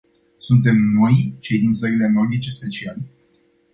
Suntem noi cei din țările nordice speciali?